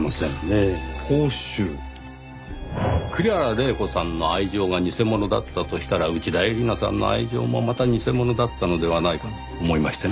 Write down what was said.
栗原玲子さんの愛情が偽物だったとしたら内田絵里奈さんの愛情もまた偽物だったのではないかと思いましてね。